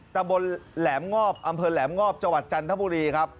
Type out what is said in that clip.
ตะบนแหลมงอบอำเภอแหลมงอบจังหวัดจันทบุรีครับ